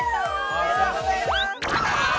おめでとうございます。